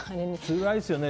つらいですよね。